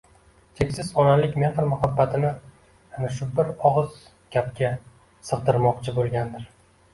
Cheksiz onalik mehr-muhabbatini ana shu bir ogʻiz gapga sigʻdirmoqchi boʻlgandir